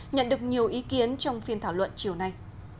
nhận được nhiều ý kiến trong phiên thảo luận chiều nay